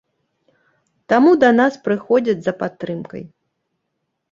Таму да нас прыходзяць за падтрымкай.